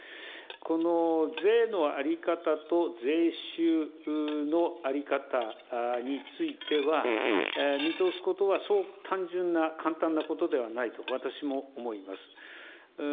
この税の在り方と税収の在り方については、見通すことはそう単純なことではないと私も思います。